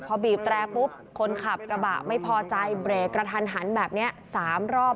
พอบีบแตรปุ๊บคนขับกระบะไม่พอใจเบรกกระทันหันแบบนี้๓รอบ